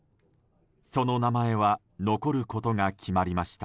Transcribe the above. その名前は残ることが決まりました。